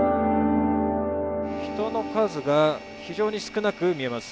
人の数が非常に少なく見えます。